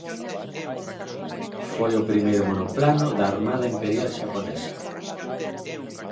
Foi o primeiro monoplano da Armada Imperial xaponesa.